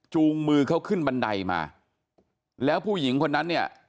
มือเขาขึ้นบันไดมาแล้วผู้หญิงคนนั้นเนี่ย